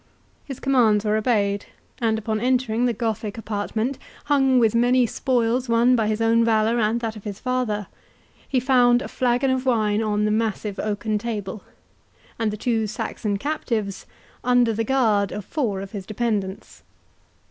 His commands were obeyed; and, upon entering that Gothic apartment, hung with many spoils won by his own valour and that of his father, he found a flagon of wine on the massive oaken table, and the two Saxon captives under the guard of four of his dependants.